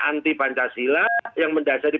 anti pancasila yang mendasari